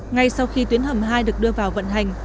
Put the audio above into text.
ngay sau khi tuyến hầm hai được đưa vào vận hành